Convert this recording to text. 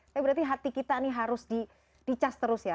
tapi berarti hati kita nih harus di cas terus ya